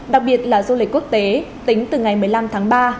đặc biệt là du lịch quốc tế tính từ ngày một mươi năm tháng ba